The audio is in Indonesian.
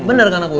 bener kan aku